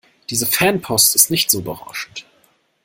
Diese Fanpost ist nicht so berauschend.